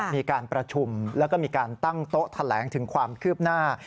มีการประชุมแล้วก็มีการตั้งโต๊ะแถลงถึงความคืบหน้า